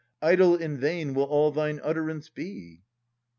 Idle and vain will all thine utterance be.